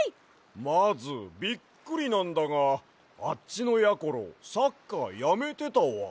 まずびっくりなんだがあっちのやころサッカーやめてたわ。